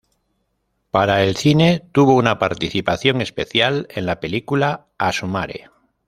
Para el cine, tuvo una participación especial en la película "Asu Mare".